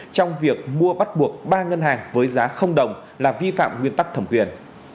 trong việc mua bắt buộc ba ngân hàng với giá đồng là vi phạm nguyên tắc thẩm quyền